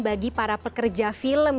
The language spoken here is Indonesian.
bagi para pekerja film